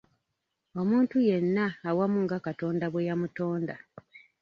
Omuntu Yenna awamu nga Katonda bwe yamutonda.